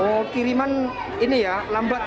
oh kiriman ini ya lambat